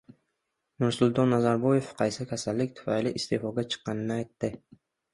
Nursulton Nazarboyev qaysi kasallik tufayli iste’foga chiqqanini aytdi